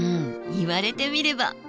言われてみれば。